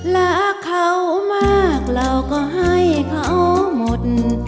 รักเขามากเราก็ให้เขาหมด